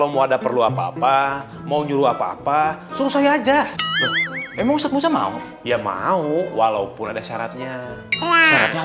mau perlu apa apa mau nyuruh apa apa suruh saya aja emang saya mau ya mau walaupun ada syaratnya